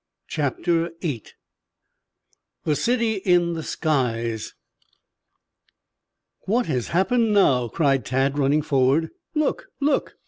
CHAPTER VIII THE CITY IN THE SKIES "What has happened now?" cried Tad, running forward. "Look, look!"